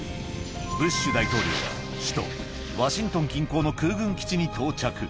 ブッシュ大統領は首都ワシントン近郊の空軍基地に到着。